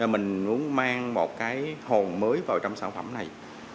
mình muốn mang một cái hồn mới vào trong sản phẩm này